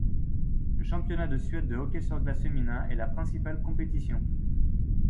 Le Championnat de Suède de hockey sur glace féminin est la principale compétition.